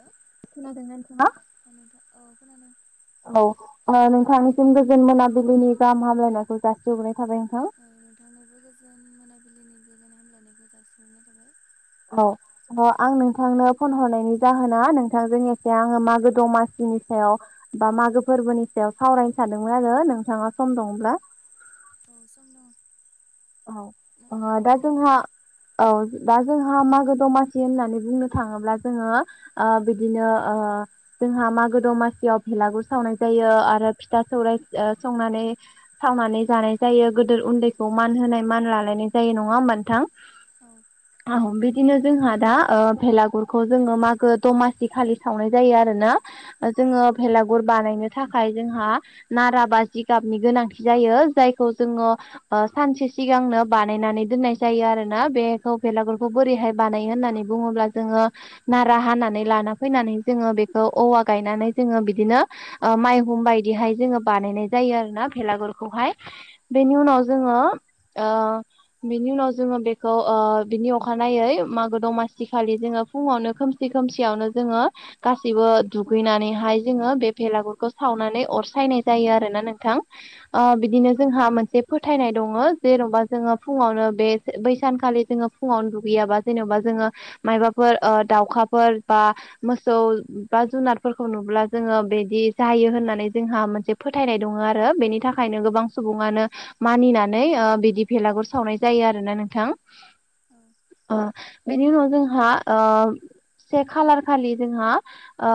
औ खोनादोंना नोंथां नोंथां औ खोनादों औ नोंथांनिसिम गोजोन मोनाबिलिनि गाहाम हामलायनायखौ जासिहरोनाय थाबाय नोंथां औ नोंथांनिबो गोजोन मोनाबिलिनि गोजोन हामलायनायखौ जासिहनाय थाबाय औ अ आं नोंथांनो फन हरनायनि जाहोना नोंथांजों एख आङो मागो दमासिनि सायाव बा मागो फोरबोनि सायाव सावरायनो सानदोंमोन आरो नोंथाङा सम दंब्ला औ सम दं ओ औ दा रायलायनो जोंहा औ दा जोंहा मागो दमासि होननानै बुंनो थाङोब्ला जोङो ओ बिदिनो ओ जोंहा मागो दमासियाव भेलागुर सावनाय जायो आरो फिथा सौराय ओ संनानै सावनानै जानाय जायो गोदोर उन्दैखौ मान होनाय मान लालायनाय जायो नङा मोनथां? औ बिदिनो जोंहा दा भेलागुरखौ जोङो मागो दमासि खालि सावनाय जायो आरोना जोङो भेलागुर बानायनो थाखाय जोंहा नारा बा जिगाबनि गोनांथि जायो जायखौ जोङो ओ सानसे सिगांनो बानायनानै दोननाय जायो आरोना बेखौ बेलागुरखौ बोरैहाय बानायो होननानै बुङोब्ला जोङो नारा हानानै लाना फैनानै जोङो बेखौ औवा गायनानै जोङो बिदिनो ओ माइहुं बायदिहाय जोङो बानायनाय जायो आरो ना भेलागुरखौहाय बेनि औ उनाव जोङो ओ बिनि उनाव जोङो बेखौ ओ बिनि अखानायै मागो दमासि खालि जोङो फुंङावनो खोमसि खोमसियावनो जोङो गाैसैबो दुगैनानैहाय जोङो बे भेलागुरखौ सावनानै अर सायनाय जायो आरोना नोंथां। ओ उम बिदिनो जोंहा मोनसे फोथायनाय दङ जेन'बा जोङो फुङावनो बे बै सानखालि जोङो फुङावनो दुगैयाबा जेनेबा जोङो मायबाफोर ओ दाउखाफोर बा मोसौ बा जुनारफोरखौ नुब्ला जोङो बिदि जायो होननानै जोंहा मोनसे फोथायनाय दङ आरो बेनि थाखायनो गोबां सुबुङानो मानिनानै ओ बिदि भेलागुर सावनाय जायो आरोना नोंथां। ओं। ओ बेनि उनाव जोंहा ओ से खालार खालि जोंहा ओ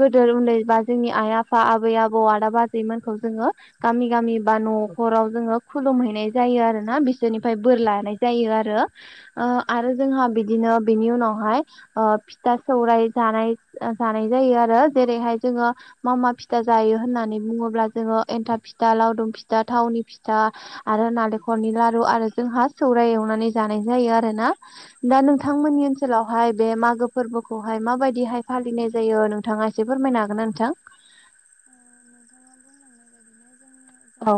गोदो उन्दै बा जोंनि आइ आफा आबै आबौ आदा आजैमोनखौ जोङो गामि गामि बा न'खराव जोङो खुलुमहैनाय जायो आरो ना बिसोरनिफ्राय बोर लानाय जायो आरो ओ औ आरो जोंहा बिदिनो बिनि उनावहाय ओ फिथा सौराय जानाय जानाय जायो आरो जेरैहाय जोङो मा मा फिथा जायो होननानै बुंङोब्ला जोङो एन्था फिथा लावदुम फिथा थावनि फि था आरो नारेंखलनि लारु आरो जोंहा सौराय एवनानै जानाय जायो आरो ना। दा औ नोंथांमोननि ओनसोलाव हाय बे मागो फोरबोखौहाय माबायदिहाय फालिनाय जायो नोंथाङा एसे फोरमायनो हागोन ना नोंथां? ओ नोंथाङा बुंलांनाय बायदिनो जोंनि औ।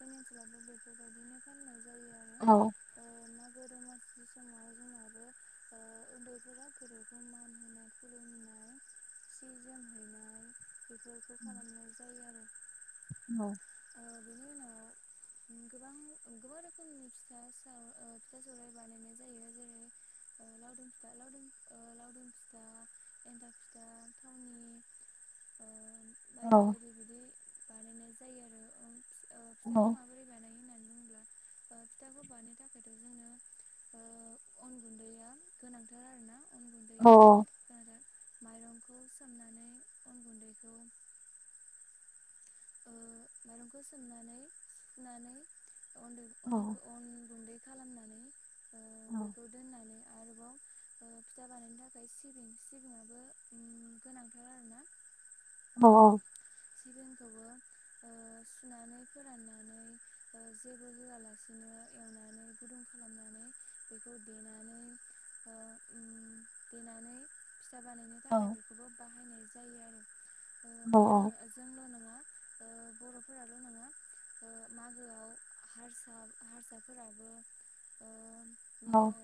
बे ओनसलावबो बेफोरबायदिनो फालिनाय जायो आरो। औ। ओ मागो दमासि समाव जोंनाबो ओ उन्दैफोरा गेदेरखौ मान होनाय खुलुमनाय सि जोम हैनाय बेफोरखौ खालामनाय जायो आरो। औ। ओ बिनि उनाव ओ गोबां गोबां रोखोमनि फिथा साव फिथा सौराय बानायनाय जायो जेरै ओ लावदुम फिथा लावदुम ओ लावदुम फिथा एन्थाफ फिथा थावनि ओ औ बायदि बायदि बिदि बानायनाय जायो आरो ओं ओ औ। बोरै बानाय होननानै बुंङोब्ला ओ फिथाखौ बानायनो थाखायथ' जोंनो ओ अन गुन्दैया गोनांथार आरो ना। अन गुन्दैया आरो माइरंखौ सोमनानै अन गुन्दैखौ ओ माइरंखौ सोमनानै सुनानै अनदै औ अनखो अन गुन्दै खालामनानै ओ बेखौ दोननानै आरोबाव ओ फिथा बानायनो थाखाय सिबिं सिबिङाबो ओम गोनांथार आरो ना। औ औ सिबिंखौबो ओ सुनानै फोराननानै जेबो होआलासिनो एवनानै गुदुं खालामनानै बेखौ देनानै ओ ओम देनानै फिसा बानायनो थाखाय बेखौबो बाहायनाय जायो आरो ओ औ बेल' नङा। जोंल' नंङा ओ बर'फोराल' नंङा। ओ मागोआव हारसा हारसाफोराबो ओ बि औ ओ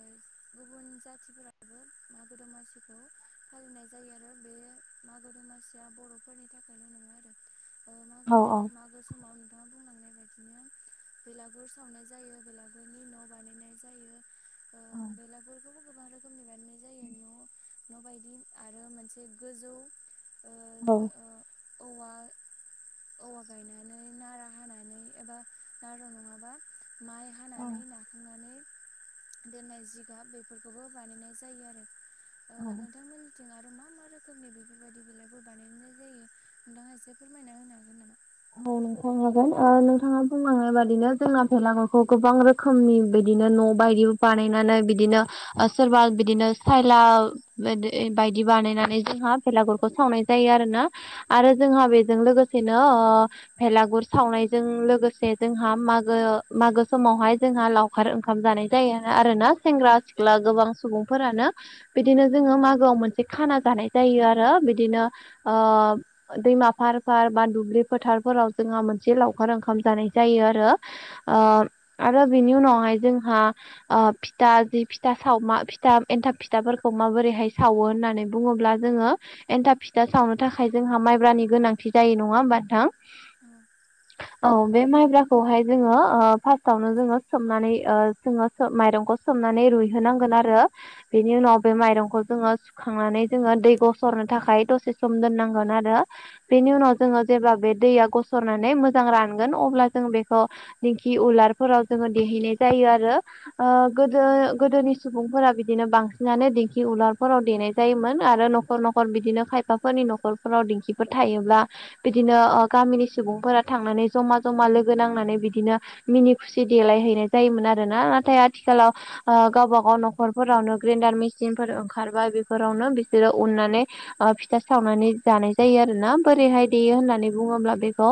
गुबुन जाथिफोराबो मागो दमासिखौ फालिनाय जायो आरो बे मागो दमासिया बर'फोरनि थाखायल' नङा आरो ओ मागो मा समाव नोंथाङा बुंलांनाय बायदिनो बेलागुर सावनाय जायो बेलागुरनि न' बानायनाय जायो। ओ बेलागुरखौबो गोबां रोखोमनि बानायनाय जायो न' न' बायदि आरो मोनसे गोजौ ओ औवा औवा गायनानै नारा हानानै एबा नारा नङाबा माइ औ हानानै नाखांनानै दोननाय जिगाब बेफोरखौबो बानायनाय जायो आरो ओ औ नोंथांमोनि थिं आरो मा मा रोखोमनि बेफोरबायदि बिलागुर बानायनाय जायो नोंथाङा एसे फोरमायना होनो हागोन नामा? औ नोंथां हागोन ओ नोंथाङा बुंलांनाय बादिनो जोंना भेलागुरखौ गोबां रो खोमनि बिदिनो न' बायदि बानायनानै बिदिनो सोरबा बिदिनो सायला बायदि बानायनानै जोंहा बेेलागुरखौ सावनाय जायो आरो ना। आरो जोंहा बेजों लोगोसेनो ओ भेलागुर सावनायजों लोगोसे जोंहा मागो मागो समावहाय जोंहा लाव खार ओंखाम जानाय जायो आरो ना सेंग्रा सिख्ला गोबां सुबुंफोरानो बिदिनो जोङो मागोआव मोनसे खाना जानाय जायो आरो बिदिनो ओ दैमा फार फार बा दुब्लि फोथारफोराव जोंहा मोनसे लावखार ओंखाम जानाय जायो आरो। ओ आरो बिनि उनावहाय जोंहा ओ फिथा जि फिथा सावा फिथा एन्थाब फिथाफोरखौ माबोरैहाय सावो होननानै बुङोब्ला जोङो एन्थाब फिथा सावनो थाखाय जोंहा माइब्रानि गोनांथि जायो नङा होमबा नोंथां। औ बे माइब्राखौहाय जोङो फार्स्टावनो जोङो सोमनानै जोङो माइरंखौ सोमनानै रुइहोनांगोन आरो बेनि उनाव बे माइरंखौ जोङो खांनानै जोङो दै गस'रनो थाखाय दसे सम दोननांगोन आरो बेनि उनाव जोङो जेब्ला बे दैया गस'रनानै मोजां रानगोन अब्ला जों बेखौ दिंखि उलारफोराव जोङो देहैनाय जायो आरो ओ गोदो गोदोनि सुबुंफोरा बिदिनो बांसिनानो दिंखि उलारफोराव देनाय जायोमोन आरो न खर न'खर बिदिनो खायफाफोरनि न'खरफोराव दिंखिफोर थायोब्ला बिदिनो गामिनि सुबुंफोरा थांनानै जमा जमा लोगो नांनानै बिदिनो मिनि खुसि देलायहैनाय जायोमोन आरो ना नाथाय आथिखालाव गावबा गाव नखरफोरावनो ग्रेन्डार मेसिनफोर ओंखारबाय बेफोरावनो बिसोरो उननानै फिथा सावनानै जानाय जायो आरोना बोरैहाय देयो होननानै बुङोब्ला बेखौ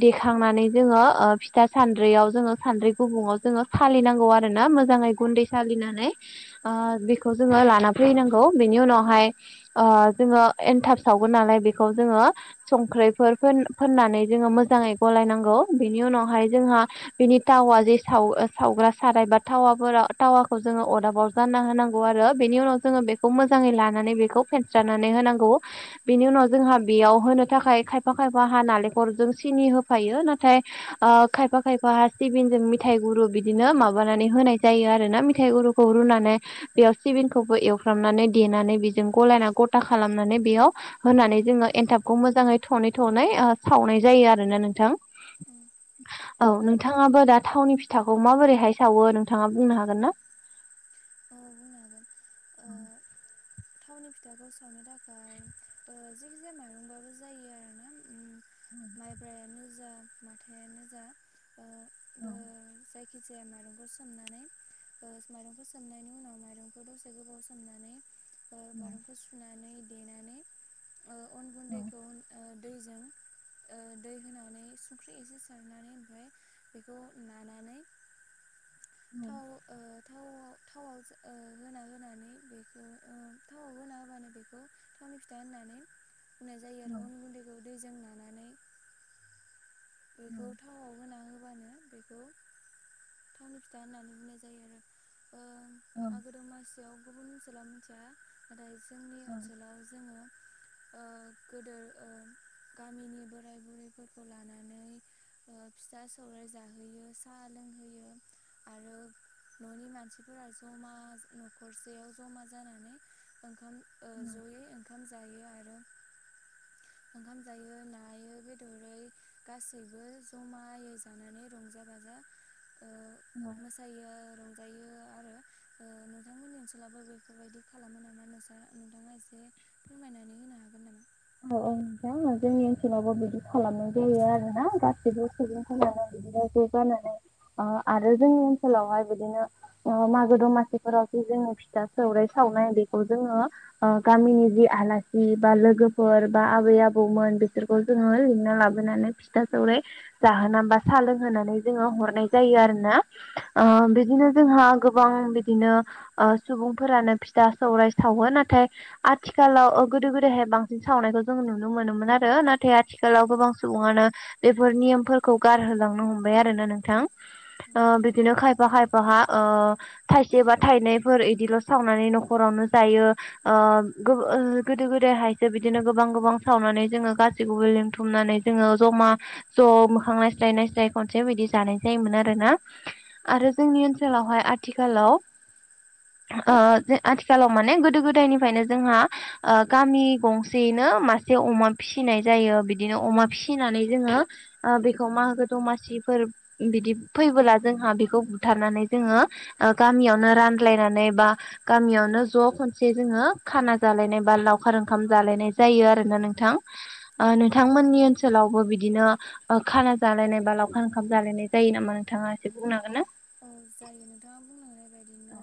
देखांनानै जोङो ओ फिथा सान्द्रियाव जोङो सानद्रि गुबुङाव जोङो सालिनांगौ आरोना मोजाङै गुन्दै सालिनानै ओ बेखौ जोङो लाना फैनांगौ बेनि उनावहाय ओ जोङो एनथाब सावगोन नालाय बेखौ जोङो संख्रिफोर फोन-फोननानै जोङो मोजाङै गलायनांगौ बेनि उनावहाय जोंहा बिनि टावा जे साव सावग्रा साराय बा टावाफोराव थावाखौ जोङो अरदाबाव जानना होनांगौ आरो बेनि उनाव जोङो बेखौ मोजाङै लानानै बेखौ फेनस्रानानै होनांगौ। बेनि उनाव जोंहा बेयाव होनो थाखाय खायफा खायफा हा नालेंखरजों सिनि होफायो नाथाय ओ खायफा खायफा हा सिबिनजों मिथायाइ गुरु बिदिनो माबानानै होनाय जायो आरो ना मिथाइ गुरुखौ खौ रुनानै बेयाव सिबिंखौबो एवफ्रामनानै देनानै बेजों गलायना गथा खालामनानै बेयाव होननानै जोंङो एनथाबखौ मोजाङै थनै थनै सावनाय जायो आरोोना नोंथां औ नोंथांङाबो दा थावनि फिथाखौ माबोरैहाय सावो नोंथाङा बुंनो हागोन ना औ बुंनो हागोन ओ [inaudible] थावनि फिथाखौ सावनो थाखाय ओ जायखिजाया माइरंबाबो जायो आरोना ओम। माइब्रायानो जा माथायानो जा ओ बो जायखि जायखिजाया माइरंखौ सोमनानै माइरंखौ सोमनायनि उनाव माइरंखौ दसे गोबाव सोमनानै माइरंखौ सुनानै देनानै अन गुन्दैखौ दैजों ओ दै होनानै संख्रि एसे सारनानै ओमफ्राय बेखौ नानानै थाव थाव थावआव होना होनानै बेखौ थावआव होना होबानो बेखौ थावनि फिथा होननानै बुंनाय जायो आरो अन गुन्दैखौ दैजों नानानै बेखौ थावआव होना होबानो बेखौ थावनि फिथा होननानै बुंनाय जायो आरो ओ मागो दमासियाव गुबुन ओनसोलाव मिथिया नाथाय जोंनि ओनसोलाव जोंङो गोदो गामिनि बोराय बुरैफोरखौ लानानै नानै फिसा सौर जाहोयो साहा लोंहोयो आरो न'नि मानसिफोरा ज'मा न'खरसेयाव जमा जानानै ओंखाम जयै ओंखाम जायो आरो ओंखाम जायो नायै बेदरै गासैबो जमायै जानानै रंजा बाजा मोसायो रंजायो आरो नोंथांमोननि ओनसोललाावबो बेफोरबायदि खालामो नामा नोंसा नोंथांङा एसे फोरमायनानै होनो हागोन नामा औ औ नोंजां जोंनि ओनसोलावबो बिदि खालामनाय जायो आरो ना गासैबो सुबुंफोरानो जानानै आरो जोंनि ओनसोलावहाय बिदिनो मागो दमासिफोरावस जोंनि फिथा सौरायाइ सावनाय बेखौ जोंङो ओ गामिनि जि आलासि बा लोगो फोर बा आबै आबौमोन बिसोरखौ जोंङो लिंना लाबोनानै फिथा सौराय जाहोना बा साहा लोंहोनानै जोंङो हरनाय जायो आरो ना बिदिनो जोंहा गोबां बिदिनो सुबुंफोरानो फिथा सौराय सावो नाथाय आथिखालाव गोदो गोदायहाय बांसि बिदि सावनायखौ जों नुनो मोनोमोन आरो नाथाय आथिखालाव गोबां सुबुंङानो बेफोर नियमफोरखौ गारहोलांनो हमबाय आरोना नोंथां बिदिनो खायफा खायफाहा थाइसे बा थाइनैफोर बिदिल' सावनानै न'खरावनो जायो आ गोदो गोदाहाय बिदिनो गोबां गोबां सावनानै जोंङो गासैखौबो लिंथुमनानै जोंङो जमा ज' मोखां ननायस्लाय ननायस्लाय खनसे बिायदि जानाय जायोमोन आरो ना आरो जोंनि ओनसोलावहाय आथिखालाव ओ आथिखालाव माने गोदो गोदायनिफ्रायनो जोंहा गामि गंसेयैनो मासे अमा फिसिनाय जायो बिदिनो अमा फिसिनानै जोंङो बेखौ माोगो दमासिफोर बिदि फैबोला जोंहा बेखौ बुथारनानै जोंङो गामियावनो रानलायनानै बा गामियावनो ज' खनसे जोङो खाना जालायनाय बा लावखारों ओंखाम जालायनाय जायो आरोना नोंथां औ नोंथांमोननि ओनसोलावबो बिदिनो खाना जालायनाय बा लावखार ओंखाम जालायनाय जायो नामा नोंथाङा एसे बुंनो हांगोन ना औ जायो नोंथाङा बुंनांनाय बदिनो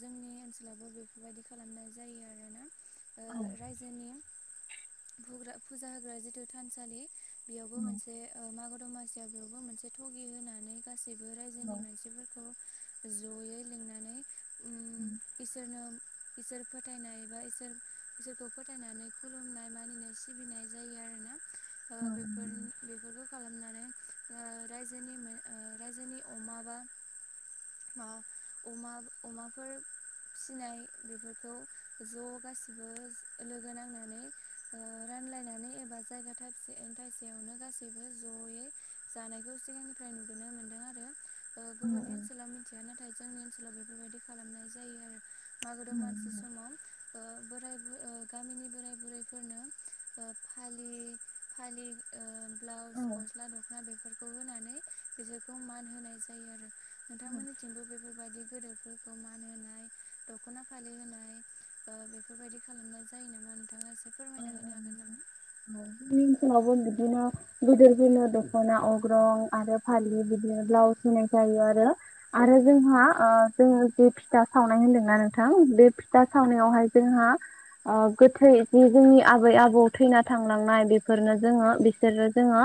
जोंनि ओनसोलावबो बेफोरबायदि खालामनाय जायो आरोना जोंनि फुजा होग्रा जिथु थानसालि बेयावबो मोनसे मागो दमासियाव बेयावबो मोनसे थगि होनानै गासैबो रायजोनि मानसि फोरखौ जयै लिंनानै ओम इसोरनो इसोर फोथायनाय बा इसोरखौ फोथायनानै खुलुमनाय मानिनाय सिबिनाय जायो आरोना। ओ बेफोरखौ खालामनानै ओ राजोनि रायजोनि अमा बा मा अमा अमाफोर फिनाय बेफोरखौ ज' गासिबो लोगो नांनानै रानलायनानै एबा जायगा थाबसे थाइसेयावनो गासैबो ज'यै जानायखौ सिगांनिफ्राय नुुबोनो मोनदों आरो गुबुननि ओनसोलाव मिथिया नाथाय जोंनि ओनसोलाव बेफोरबायदि खालामनाय जायो आरो मागो मानसि समाव बोराइ ओ गामिनि बोराइ बुरैफोरनो ओ फालि ओ फालि ब्लाउस, गस्ला दख'ना बेफोरखौ होनानै बिसोरखौ मान होनाय जायो आरो नोंथांमोननिथिंबो बेबा बेफोरबायदि गेदोरफोरखौ मान होनाय दखना फालि होनाय ओ बे बेफोरबायदि खालामनाय जायो? नामा नोंथाङा एसे फोरमायना होनो हागोन नामा? औ निमस नाब अन्द दिना [unintelligible] [unintelligible] गिदिर गिलिर दख'ना अग्रं आरो फालि बिदिनो ब्लाउस होनाय जायो आरो। आरो जोंहा जोङो जे फिथा सावनाय होनदोंना नोंथां बे फिथा सावनायावहाय जोंहा अ'गोथै बे जोंनि आबै आबौ थैना थांलांनाय बेफोरनो जोङो बिसोरो जोङो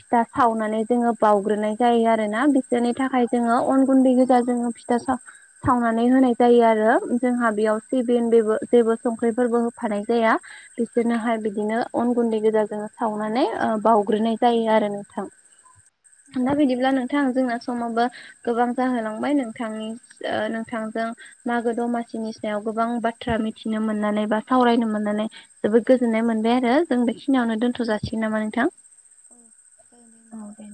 फिथा सावनानै जोङो बावग्रोनाय जायो। आरोना बिसोरनि थाखाय जोङो अन गुन्दै गोजा जोङो दस [unintelligible] सावनानै होनाय जायो आरो जोंहा बेयाव सिबिन बेबो जेबो संख्रिफोरबो होफानाय जाया बिसोरनोहाय बिदिनो अन गुन्दै गोजाजों सावनानै ओ बाउग्रोनाय जायो। आरो नोंथां औ दा बिदिब्ला नोंथां जोंना समावबो गोबां जाहोलांबाय नोंथांनि नोंथांजों मागो दमासिनि सायाव गोबां बाथ्रा मिथिनो मोननानै बा सावरायनो मोन नानै जोबोद गोजोननाय मोनबाय आरो जों बेखिनियावनो दोन्थ' जासिगोन नामा नोंथां। अ जागोन दे नोंथां।